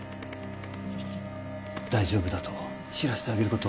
大丈夫だと知らせてあげることは